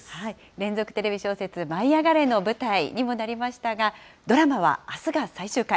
連続テレビ小説、舞いあがれ！の舞台にもなりましたが、ドラマはあすが最終回。